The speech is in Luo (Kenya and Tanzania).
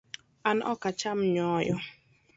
An ok acham nyoyo